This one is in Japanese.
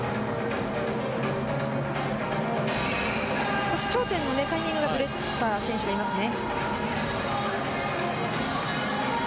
少し頂点のタイミングがずれた選手がいますね。